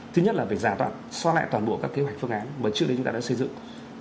thứ nhất là việc giả soát so lại toàn bộ các kế hoạch phương án mà trước đây chúng ta đã xây dựng